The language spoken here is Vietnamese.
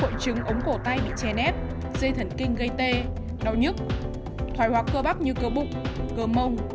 hội chứng ống cổ tay bị che nét dây thần kinh gây tê đau nhức thoái hóa cơ bắp như cơ bụng cơ mông